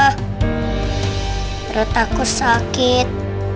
perut aku sakit